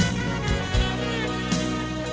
hingga aku tiba di sudara